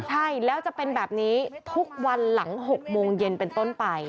ใช่แล้วจะเป็นแบบนี้ทุกวันหลัง๖โมงเย็นเป็นต้นไป